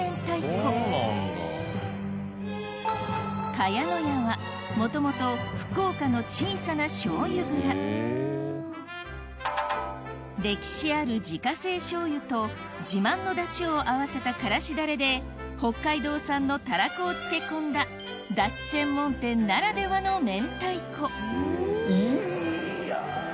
茅乃舎はもともと歴史ある自家製醤油と自慢のだしを合わせたからしだれで北海道産のたらこを漬け込んだだし専門店ならではの明太子いや。